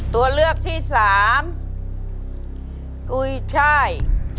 ตัวเลือกที่สามกุยช่าย